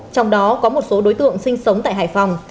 trong đó có một số đối tượng sinh sống tại hải phòng